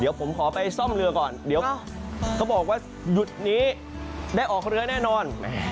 เดี๋ยวผมขอไปซ่อมเรือก่อนเดี๋ยวเขาบอกว่าหยุดนี้ได้ออกเรือแน่นอน